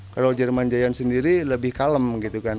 kalau jerman giant sendiri lebih kalem gitu kan